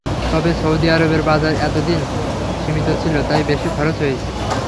তবে সৌদি আরবের বাজার এতদিন সীমিত ছিল, তাই বেশি খরচ হয়েছে।